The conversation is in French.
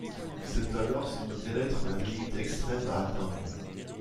Cette valeur semble bien être la limite extrême à atteindre.